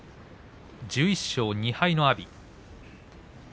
１１勝２敗の阿炎。